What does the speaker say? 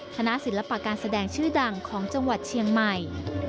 ศิลปะการแสดงชื่อดังของจังหวัดเชียงใหม่